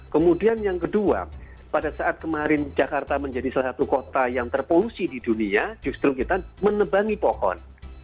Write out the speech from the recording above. kemudian yang kedua pada saat kemarin jakarta menjadi salah satu kota yang terpolusi di dunia justru kita menebangi pohon